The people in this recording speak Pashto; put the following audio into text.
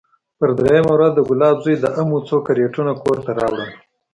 پر درېيمه ورځ د ګلاب زوى د امو څو کرېټونه کور ته راوړل.